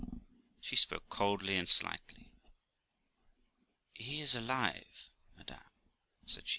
She spoke coldly and slightly. 'He is alive, madam' said she.